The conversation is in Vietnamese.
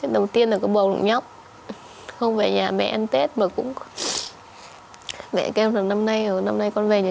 đầu tiên là có bầu nhóc không về nhà mẹ ăn tết mà cũng để kêu là năm nay ở năm nay con về nhà